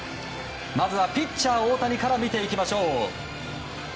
まずはピッチャー大谷から見ていきましょう。